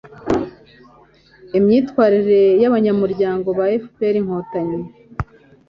imyitwarire y'Abanyamuryango ba FPR-Inkotanyi